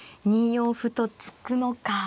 ２四歩と突くのか。